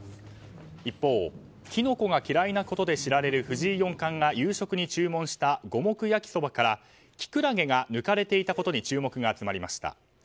一方、キノコが嫌いなことで知られる藤井四冠が夕食に注文した五目焼きそばからキクラゲが抜かれていたことに注目が集まりました。